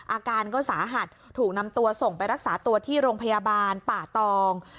อาการก็สาหัสถูกนำตัวส่งไปรักษาตัวที่โรงพยาบาลป่าตอง